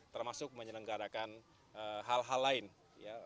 termasuk menyelenggarakan hal hal lain ya